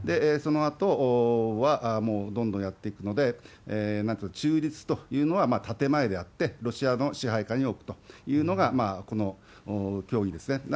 そのあとはもうどんどんやっていくので、中立というのは建て前であって、ロシアの支配下に置くというのが、この協議ですね。